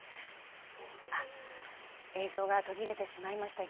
映像が途切れてしまいました。